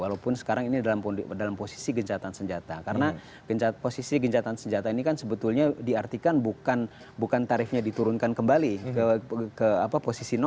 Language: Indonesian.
walaupun sekarang ini dalam posisi gencatan senjata karena posisi gencatan senjata ini kan sebetulnya diartikan bukan tarifnya diturunkan kembali ke posisi